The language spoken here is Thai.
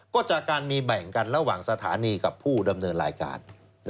ก็จากการมีแบ่งกันระหว่างสถานีกับผู้ดำเนินรายการ